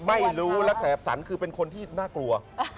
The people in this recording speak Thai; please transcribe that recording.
ไม่รู้และแสบสันคือเป็นคนที่น่ากลัว